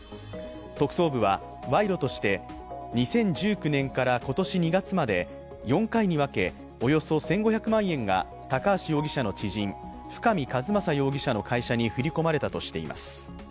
特捜部は賄賂として２０１９年から今年２月まで４回に分けおよそ１５００万円が高橋容疑者の知人深見和政容疑者の会社に振り込まれたとしています。